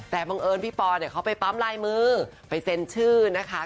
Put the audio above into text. แต่บังเอิญพี่ปอเนี่ยเขาไปปั๊มลายมือไปเซ็นชื่อนะคะ